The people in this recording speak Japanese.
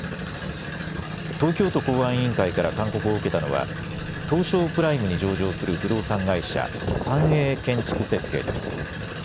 東京都公安委員会から勧告を受けたのは東証プライムに上場する不動産会社、三栄建築設計です。